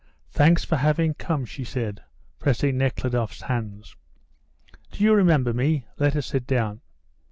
"Thanks for having come," she said, pressing Nekhludoff's hand. "Do you remember me? Let us sit down."